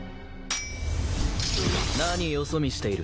何よそ見している。